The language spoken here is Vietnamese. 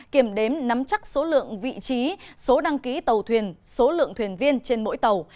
kiểm đếm nắm chắc số lượng vị trí số đăng ký tàu thuyền số lượng thuyền viên trên mỗi tàu